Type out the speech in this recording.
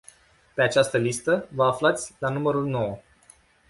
Pe această listă, vă aflați la numărul nouă.